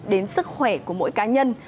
đến sức khỏe của mỗi cá nhân